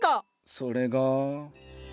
それが。